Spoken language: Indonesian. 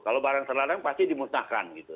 kalau barang terlarang pasti dimusnahkan gitu